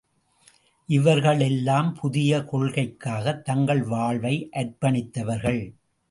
இவர்களெல்லாம் புதிய கொள்கைக்காகத் தங்கள் வாழ்வை அர்ப்பணித்தவர்கள்.